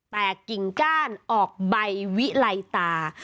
กิ่งก้านออกใบวิไลตา